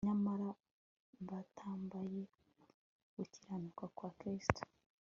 nyamara batambaye gukiranuka kwa Kristo